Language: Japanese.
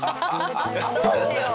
「どうしよう？」。